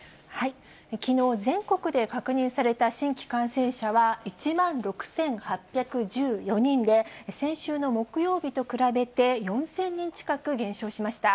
きのう、全国で確認された新規感染者は１万６８１４人で、先週の木曜日と比べて４０００人近く減少しました。